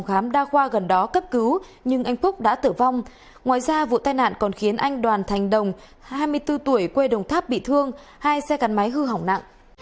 hãy đăng ký kênh để ủng hộ kênh của chúng mình nhé